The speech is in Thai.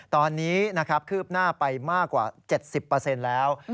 ตอนนี้นะครับคืบหน้าไปมากกว่า๗๐แล้ว